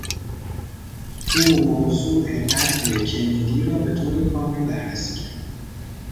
او موضوع قتل کندی را به طور کامل بررسی کرد.